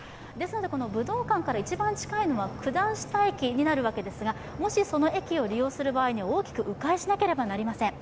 この武道館から一番近いのは九段下駅になるわけですが、その駅を利用する場合は、大きく迂回しなければなりません